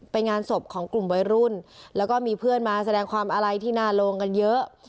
เป็นงานศพของกลุ่มบ่อยรุ่นแล้วก็มีเพื่อนมาแสดงความอะไรที่น่าลงกันเยอะ